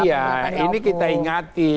semoga peringatannya opung didengar ya